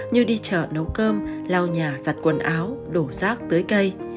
như đi chợ nấu cơm lau nhà giặt quần áo đổ rác tưới cây